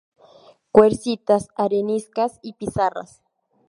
Cuarcitas, areniscas y pizarras.